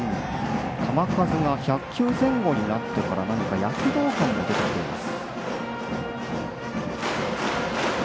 球数が１００球前後になってから何か躍動感も出てきています。